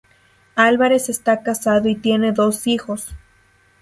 Álvarez está casado y tiene dos hijos.